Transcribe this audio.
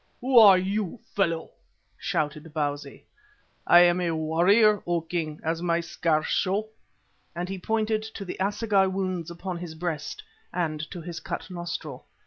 "Who are you, fellow?" shouted Bausi. "I am a warrior, O King, as my scars show," and he pointed to the assegai wounds upon his breast and to his cut nostril.